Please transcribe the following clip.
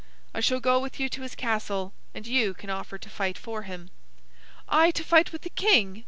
I shall go with you to his castle and you can offer to fight for him." "I to fight with the king!"